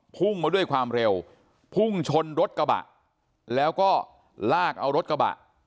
พุ่งมาด้วยความเร็วพุ่งชนรถกระบะแล้วก็ลากเอารถกระบะ